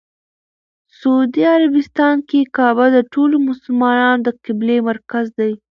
سعودي عربستان کې کعبه د ټولو مسلمانانو د قبله مرکز دی.